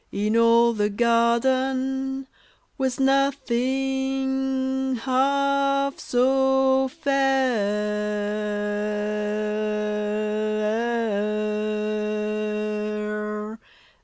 in all the garden Was nothing half so fair